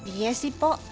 iya sih pak